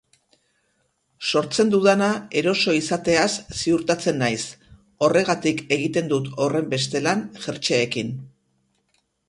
Sortzen dudana eroso izateaz ziurtatzen naiz, horregatik egiten dut horrenbeste lan jertseekin.